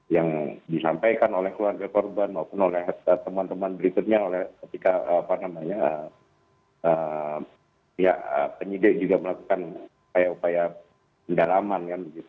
yang disampaikan oleh keluarga korban maupun oleh teman teman berikutnya ketika pihak penyidik juga melakukan upaya upaya pendalaman